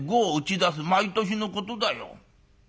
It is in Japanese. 毎年のことだよ。